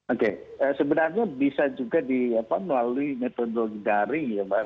oke sebenarnya bisa juga melalui metode dendaring ya pak